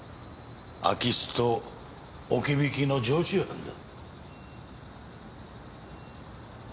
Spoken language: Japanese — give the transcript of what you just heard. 空き巣と置き引きの常習犯だ。